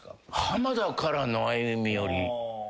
浜田からの歩み寄り。